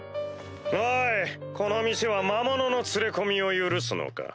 おいこの店は魔物の連れ込みを許すのか？